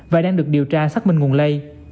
và đang được điều tra xác minh nguồn lây